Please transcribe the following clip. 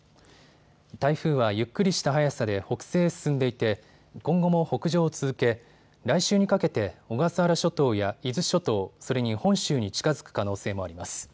台風はゆっくりした速さで北西へ進んでいて今後も北上を続け来週にかけて小笠原諸島や伊豆諸島、それに本州に近づく可能性もあります。